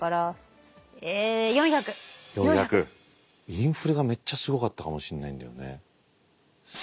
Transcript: インフレがめっちゃすごかったかもしんないんだよね。